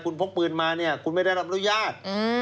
คุณพกปืนมาเนี่ยคุณไม่ได้รับอนุญาต